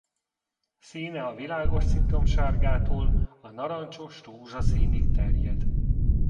Színe a világos citromsárgától a narancsos-rózsaszínig terjed.